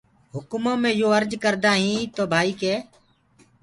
هُڪمو مي يو ارج ڪردآ هينٚ تو ڀآئي ڪي۔